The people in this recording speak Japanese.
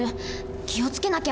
気を付けなきゃ。